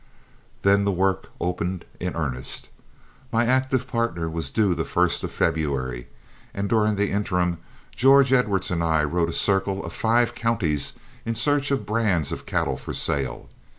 Then the work opened in earnest. My active partner was due the first of February, and during the interim George Edwards and I rode a circle of five counties in search of brands of cattle for sale.